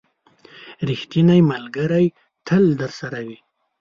• ریښتینی ملګری تل درسره وي.